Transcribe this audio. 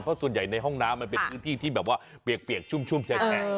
เพราะส่วนใหญ่ในห้องน้ำมันเป็นที่ที่เปียกชุ่มแฉะ